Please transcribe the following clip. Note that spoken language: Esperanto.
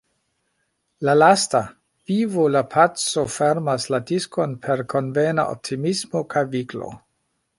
La lasta, Vivu la paco fermas la diskon per konvena optimismo kaj viglo.